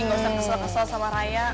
gak usah kesel kesel sama raya